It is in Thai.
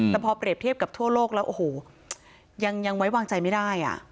แต่พอเปรียบเทียบกับทั่วโลกแล้วโอ้โหยังไว้วางใจไม่ได้